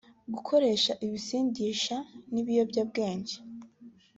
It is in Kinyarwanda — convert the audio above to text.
gukoresha ibisindisha n’ibiyobyabwenge